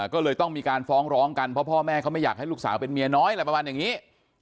ก็เลยต้องมีการฟ้องร้องกันเพราะพ่อแม่เขาไม่อยากให้ลูกสาวเป็นเมียน้อยอะไรประมาณอย่างนี้